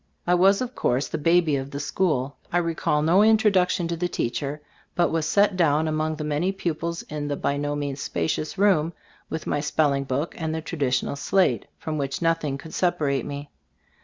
I was, of course, the baby of the school. I recall no introduction to the teacher, but was set down among the many pupils in the by no means spacious room, with my spelling book and the traditional slate, from which nothing could separate me.